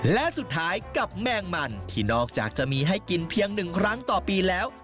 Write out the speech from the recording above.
และสุดท้ายกับแมงมันที่นอกจากจะมีให้กินเพียง๑ครั้งต่อปีแล้ว